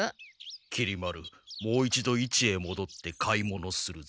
きり丸もう一度市へもどって買い物するぞ。